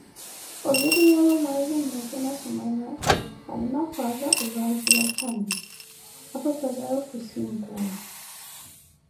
Oviriyevo mwezi ummote na sumana, alima kwaza olwaziwa txannu, apapaze kuhzinkuwa